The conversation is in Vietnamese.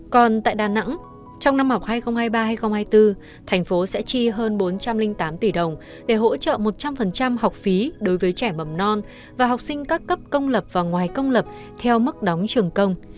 còn tại đà nẵng trong năm học hai nghìn hai mươi ba hai nghìn hai mươi bốn thành phố sẽ chi hơn bốn trăm linh tám tỷ đồng để hỗ trợ một trăm linh học phí đối với trẻ mầm non và học sinh các cấp công lập và ngoài công lập theo mức đóng trường công